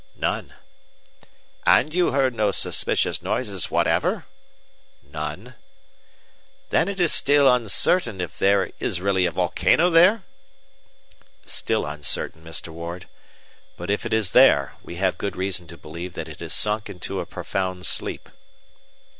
"None." "And you heard no suspicious noises whatever?" "None." "Then it is still uncertain if there is really a volcano there?" "Still uncertain, Mr. Ward. But if it is there, we have good reason to believe that it has sunk into a profound sleep."